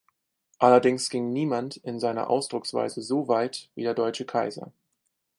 Allerdings ging niemand in seiner Ausdrucksweise so weit wie der deutsche Kaiser.